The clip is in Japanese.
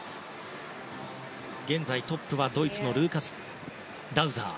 現在、トップはドイツのルーカス・ダウザー。